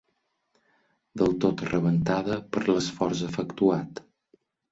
Del tot rebentada per l'esforç efectuat.